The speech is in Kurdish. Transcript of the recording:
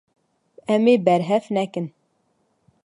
Em ê berhev nekin.